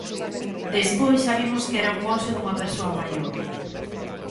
Despois xa vimos que era un bolso dunha persoa maior.